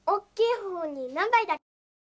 ほうになんばいだっけ？